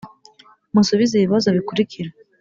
musubize ibi bibazo bikurikira